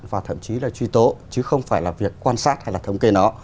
và thậm chí là truy tố chứ không phải là việc quan sát hay là thống kê nó